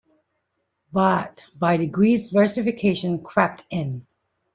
But by degrees versification crept in.